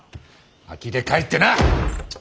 あきれ返ってな！